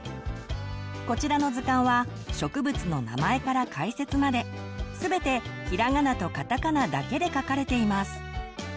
こちらの図鑑は植物の名前から解説まで全てひらがなとカタカナだけで書かれています。